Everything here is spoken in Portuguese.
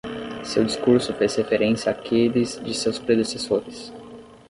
Seu discurso fez referência àqueles de seus predecessores.